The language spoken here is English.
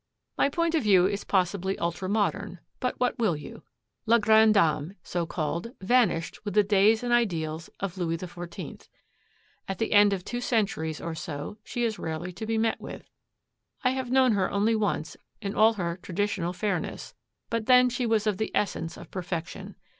My point of view is possibly ultra modern, but what will you? La grande dame, so called, vanished with the days and ideals of Louis XIV. At the end of two centuries or so she is rarely to be met with. I have known her only once in all her traditional fairness, but then she was of the essence of perfection.